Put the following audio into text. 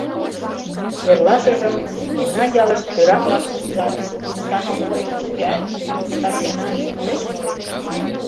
Эрлашыжым мемнан ялыш тӧра-влак вузальыч: становоет, урядникет, старшинат, тулеч молет.